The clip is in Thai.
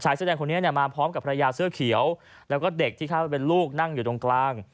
เสื้อแดงคนนี้เนี่ยมาพร้อมกับภรรยาเสื้อเขียวแล้วก็เด็กที่เข้าไปเป็นลูกนั่งอยู่ตรงกลาง